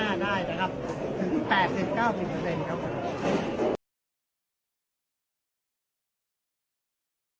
อันนี้คือ๑จานที่คุณคุณค่อยอยู่ด้านข้างข้างนั้น